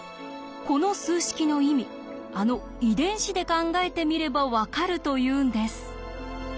この数式の意味あの遺伝子で考えてみれば分かるというんです。